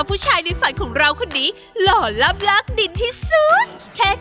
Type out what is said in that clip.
ดูหัวกาวเขาเซ